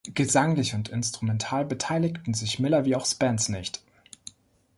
Gesanglich und instrumental beteiligten sich Miller wie auch Spence nicht.